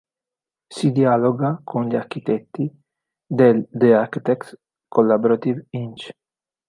Si dialoga con gli architetti del The Architects Collaborative Inc.